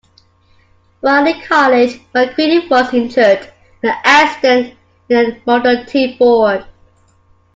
While in college, Macready was injured in an accident in a Model T Ford.